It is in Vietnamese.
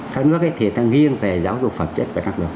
các nước ấy thì đang nghiêng về giáo dục phẩm chất và tác động